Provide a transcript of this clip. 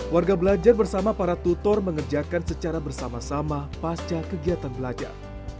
warga belajar bersama para tutor mengerjakan secara bersama sama pasca kegiatan belajar